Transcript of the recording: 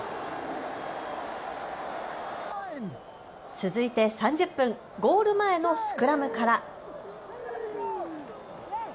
続いて３０分、ゴール前のスクラムから。